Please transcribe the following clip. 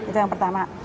itu yang pertama